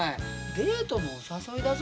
デートのお誘いだぞ。